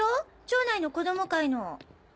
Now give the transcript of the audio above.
町内の子供会の。